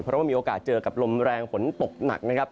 เพราะว่ามีโอกาสเจอกับลมแรงฝนตกหนักนะครับ